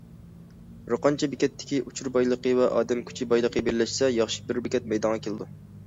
بىرقانچە بېكەتتىكى ئۇچۇر بايلىقى ۋە ئادەم كۈچى بايلىقى بىرلەشسە، ياخشى بىر بېكەت مەيدانغا كېلىدۇ.